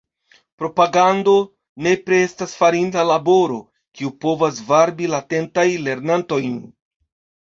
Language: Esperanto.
Propagandado nepre estas farinda laboro, kiu povas varbi latentajn lernantojn.